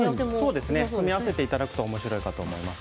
組み合わせていただくといいかと思います。